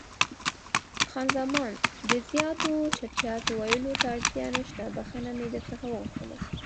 خان زمان: د زیاتو چټیاتو ویلو ته اړتیا نشته، بښنه مې در څخه وغوښتله.